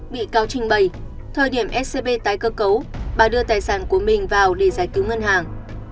bị cáo trình bày thời điểm scb tái cơ cấu bà đưa tài sản của mình vào để giải cứu ngân hàng